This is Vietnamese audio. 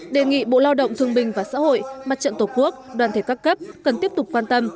đề nghị bộ lao động thương binh và xã hội mặt trận tổ quốc đoàn thể các cấp cần tiếp tục quan tâm